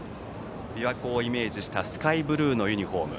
琵琶湖をイメージしたスカイブルーのユニフォーム。